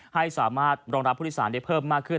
ให้สามารถรองรับผู้โดยสารได้เพิ่มมากขึ้น